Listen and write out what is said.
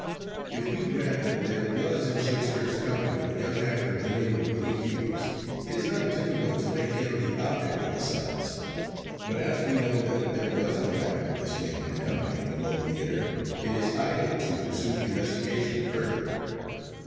If we grant that there was in Shakespeare's company a young actor of the name of Willie Hughes, it is not difficult to make him the object of the Sonnets. But as we know that there was no actor of this name in the company of the Globe Theatre, it is idle to pursue the investigation further.